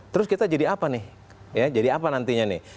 terus kita jadi apa nih ya jadi apa nantinya nih